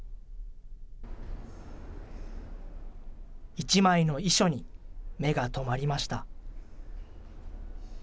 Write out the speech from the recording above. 一枚の遺書に目が留まりました。